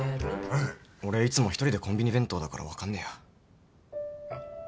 俺いつも１人でコンビニ弁当だから分かんねえや。